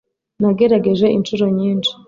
nagerageje inshuro nyinshi